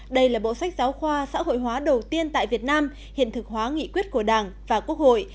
đây là bộ sách giáo khoa xã hội hóa đầu tiên tại việt nam hiện thực hóa nghị quyết của đảng và quốc hội